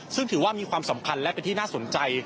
ซึ่งถือว่ามีความสำคัญและเป็นที่น่าสนใจ